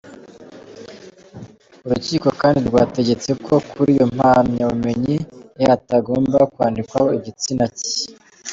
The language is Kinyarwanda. Urukiko kandi rwategetse ko kuri iyo mpamyabumenyi ye hatagomba kwandikwaho igitsina cye.